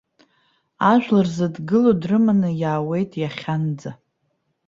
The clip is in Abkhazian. Ажәлар зыдгыло дрыманы иаауеит иахьанӡа.